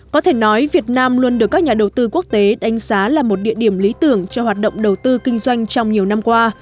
có thể nói việt nam luôn được các nhà đầu tư quốc tế đánh giá là một địa điểm lý tưởng cho hoạt động đầu tư kinh doanh trong nhiều năm qua